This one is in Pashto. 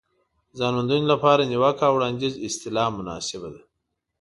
د ځان موندنې لپاره نیوکه او وړاندیز اصطلاح مناسبه ده.